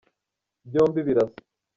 byombi birasa.